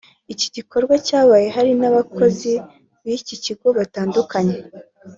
Iki gikorwa cyabaye hari n’abayobozi b’iki kigo batandukanye